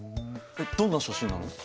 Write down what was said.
どんな写真なの？